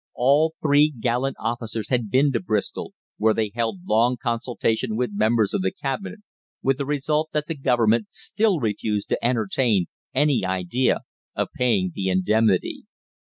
All three gallant officers had been to Bristol, where they held long consultation with the members of the Cabinet, with the result that the Government still refused to entertain any idea of paying the indemnity.